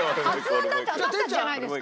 発案だって私たちじゃないですか。